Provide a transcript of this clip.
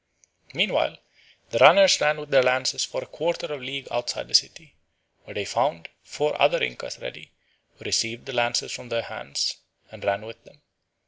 Meanwhile the runners ran with their lances for a quarter of a league outside the city, where they found four other Incas ready, who received the lances from their hands and ran with them.